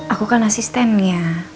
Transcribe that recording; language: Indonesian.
aku kan asistennya